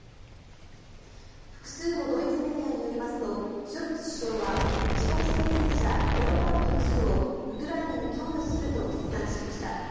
複数のメディアによりますとショルツ首相は自国製戦車レオパルト２をウクライナに供与すると決断しました。